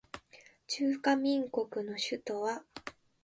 中華民国の首都は台北である